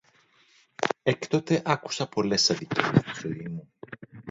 Έκτοτε άκουσα πολλές αδικίες στη ζωή μου.